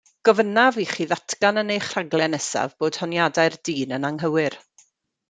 Gofynnaf i chi ddatgan yn eich rhaglen nesaf bod honiadau'r dyn yn anghywir.